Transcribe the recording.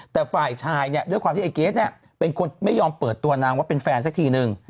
แต่ฝ่ายชายเนี่ยด้วยความที่ไอ้เกรทเนี่ยเป็นคนไม่ยอมเปิดตัวนางว่าเป็นแฟนสักทีนึง